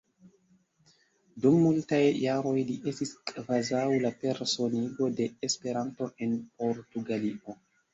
Dum multaj jaroj li estis kvazaŭ la personigo de Esperanto en Portugalio.